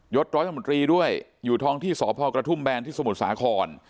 ร้อยตำรวจรีด้วยอยู่ท้องที่สพกระทุ่มแบนที่สมุทรสาคร